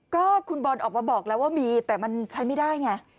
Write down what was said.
ก็คุณบอลออกมาบอกแล้วว่ามีแต่มันใช้ไม่ได้ไง